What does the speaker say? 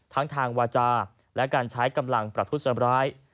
ทั้งทางวาจาและการใช้กำลังประทุษร้าย